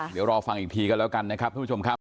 เดี๋ยวรอฟังอีกทีกันแล้วกันนะครับทุกผู้ชมครับ